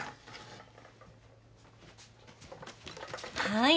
はい。